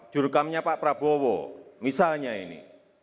jurukamnya pak prabowo misalnya ini